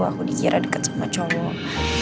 aku dikira dekat sama cowok